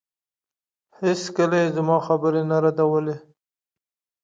هېڅکله يې زما خبرې نه ردولې.